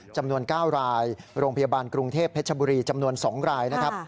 จำนวน๙รายโรงพยาบาลกรุงเทพเพชรบุรีจำนวน๒รายนะครับ